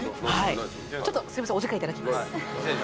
ちょっとすいませんお時間いただきます。